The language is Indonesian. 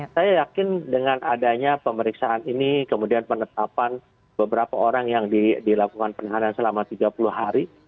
saya yakin dengan adanya pemeriksaan ini kemudian penetapan beberapa orang yang dilakukan penahanan selama tiga puluh hari